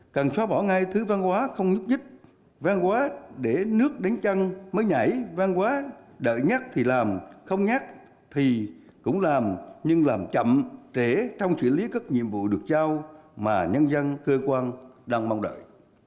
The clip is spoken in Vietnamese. cần xóa bỏ ngay thứ văn hóa không nhúc nhích văn hóa để nước đánh chăng mới nhảy văn hóa đợi nhắc thì làm không nhắc thì cũng làm nhưng làm chậm để trong trị lý các nhiệm vụ được trao mà nhân dân cơ quan đang mong đợi